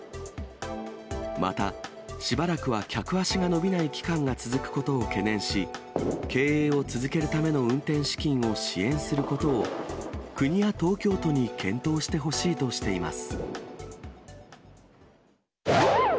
また、しばらくは客足が伸びない期間が続くことを懸念し、経営を続けるための運転資金を支援することを、国や東京都に検討してほしいとしています。